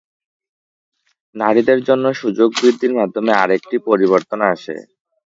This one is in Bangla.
নারীদের জন্য সুযোগ বৃদ্ধির মাধ্যমে আরেকটি পরিবর্তন আসে।